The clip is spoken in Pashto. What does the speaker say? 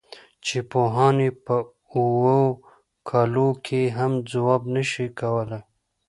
چې پوهان یې په اوو کالو کې هم ځواب نه شي کولای.